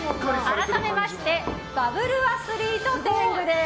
改めましてバブル・アスリート天狗です。